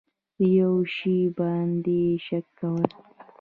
په یو شي باندې شک کول